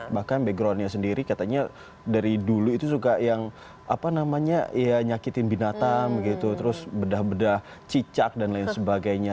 bahkan backgroundnya sendiri katanya dari dulu itu suka yang apa namanya ya nyakitin binatang gitu terus bedah bedah cicak dan lain sebagainya